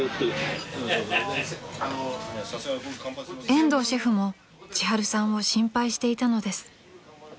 ［延藤シェフもちはるさんを心配していたのです］